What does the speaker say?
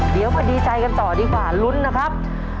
เดี๋ยวมาดีใจกันต่อดีกว่าลุ้นนะครับ